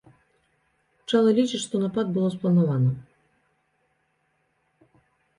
Чалы лічыць, што напад было спланавана.